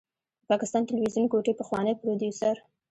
د پاکستان تلويزيون کوټې پخوانی پروديوسر